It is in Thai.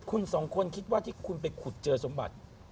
คุณสองคนคิดว่าที่คุณไปขุดเจอสมบัติ